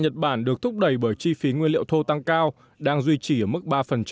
nhật bản được thúc đẩy bởi chi phí nguyên liệu thô tăng cao đang duy trì ở mức ba